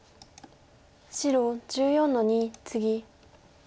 白１４の二ツギ。